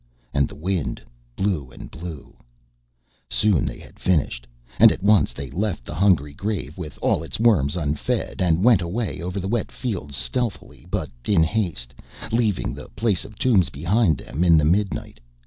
And the wind blew and blew. Soon they had finished. And at once they left the hungry grave with all its worms unfed, and went away over the wet fields stealthily but in haste, leaving the place of tombs behind them in the midnight.